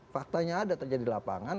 faktanya ada terjadi di lapangan